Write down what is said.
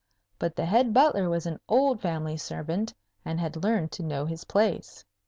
But the head Butler was an old family servant, and had learned to know his place.